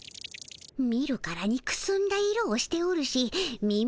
見るからにくすんだ色をしておるし身もペラペラ。